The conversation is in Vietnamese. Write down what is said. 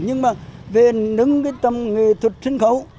nhưng mà về nâng cái tầm nghệ thuật sân khấu